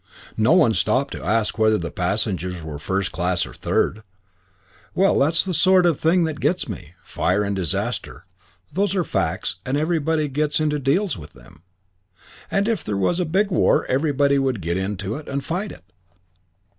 No one stopped to ask whether the passengers were first class or third. Well, that's the sort of thing that gets me. Fire and disaster those are facts and everybody gets to and deals with them. And if there was a big war everybody would get to and fight it.